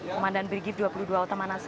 komandan brigif dua puluh dua ota manasa